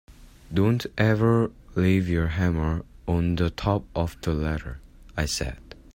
Don’t ever leave your hammer on the top of the ladder, I said.